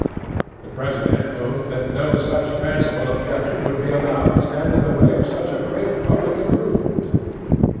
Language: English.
'THE PRESIDENT hoped that no such fanciful objections would be allowed to stand in the way of such a great public improvement.